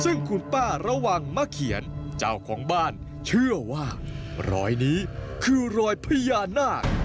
ซึ่งคุณป้าระวังมะเขียนเจ้าของบ้านเชื่อว่ารอยนี้คือรอยพญานาค